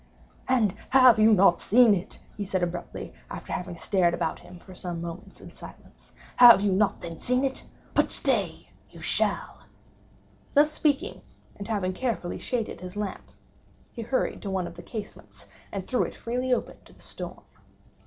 "And you have not seen it?" he said abruptly, after having stared about him for some moments in silence—"you have not then seen it?—but, stay! you shall." Thus speaking, and having carefully shaded his lamp, he hurried to one of the casements, and threw it freely open to the storm.